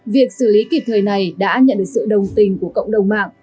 việc xử lý kịp thời này đã nhận được sự đồng tình của cộng đồng mạng